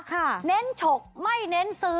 เบ้นเฉินชกไม่เงินซื้อ